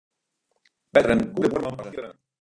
Better in goede buorman as in fiere freon.